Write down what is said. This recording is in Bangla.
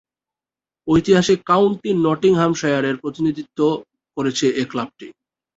ঐতিহাসিক কাউন্টি নটিংহ্যামশায়ারের প্রতিনিধিত্ব করছে এ ক্লাবটি।